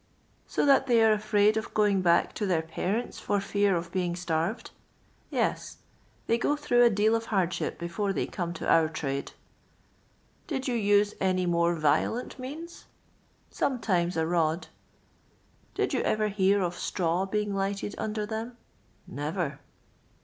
" So that they are afraid of going back to their parents for fear of being starved 1 — Yes ; they go through a deal of hardship before they come to our trade.' " Did you use any more violent means 1 — Some times a rod. " Did you ever hear of straw being lighted under them ?— Never.